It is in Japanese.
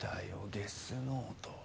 ゲスノート。